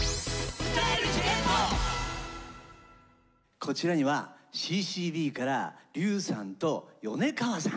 こちらにはＣ−Ｃ−Ｂから笠さんと米川さん。